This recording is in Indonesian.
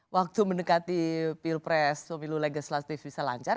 waktu mendekati pilpres pemilu legas last beef bisa lancar